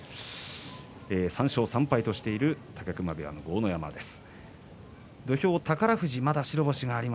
３勝３敗としている武隈部屋の豪ノ山です。